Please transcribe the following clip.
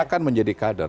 akan menjadi kader